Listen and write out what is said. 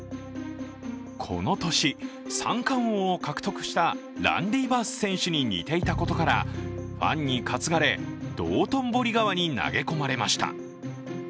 この年、三冠王を獲得したランディ・バース選手に似ていたことからファンに担がれ、道頓堀川に投げ込まれました。